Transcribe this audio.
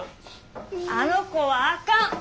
あの子はあかん。